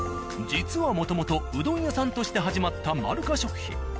実はもともとうどん屋さんとして始まった「まるか食品」。